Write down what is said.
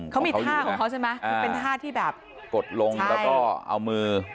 เขามีท่าของเขาใช่ไหมคือเป็นท่าที่แบบกดลงแล้วก็เอามือ